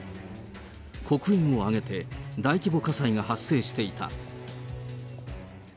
黒煙を上げて大規模火災が発生していた。